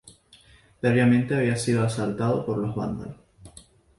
Previamente había sido asaltado por los vándalos.